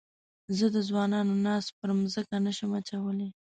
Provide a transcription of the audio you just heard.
زه د ځوانانو ناز پر مځکه نه شم اچولای.